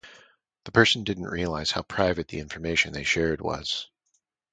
The person didn't realize how private the information they shared was.